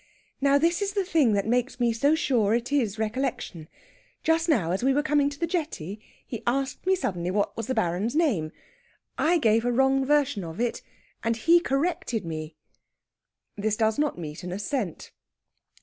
"Now, this is the thing that makes me so sure it is recollection: just now, as we were coming to the jetty, he asked me suddenly what was the Baron's name. I gave a wrong version of it, and he corrected me." This does not meet an assent.